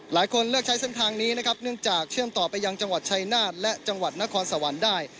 หลายคนเลือกใช้เส้นทางนี้นะครับเนื่องจากเชื่อมต่อไปยังจังหวัดชายนาฏและจังหวัดนครสวรรค์ได้